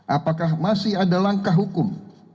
apakah masih ada langkah hukum